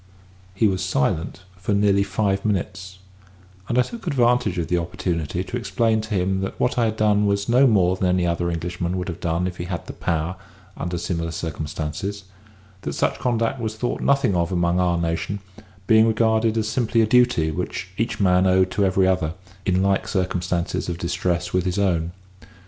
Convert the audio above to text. He was silent for nearly five minutes; and I took advantage of the opportunity to explain to him that what I had done was no more than any other Englishman would do if he had the power, under similar circumstances; that such conduct was thought nothing of among our nation; being regarded as simply a duty which each man owed to every other, in like circumstances of distress with his own.